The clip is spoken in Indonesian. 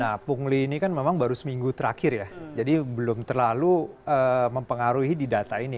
nah pungli ini kan memang baru seminggu terakhir ya jadi belum terlalu mempengaruhi di data ini